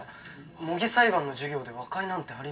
模擬裁判の授業で和解なんてありなの？